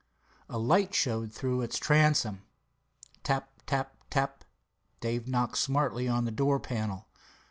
A light showed through its transom. Tap—tap—tap! Dave knocked smartly on the door panel.